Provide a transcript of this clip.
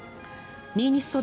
ニーニスト